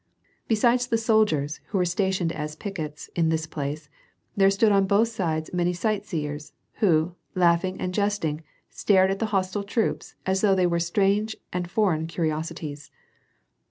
Besides the soldiers, who were stationed as pickets in this place, there stood on both sides many sightseers, who, laughing and jesting, stared at the hostile troops as though they were strange and foreign curios ities.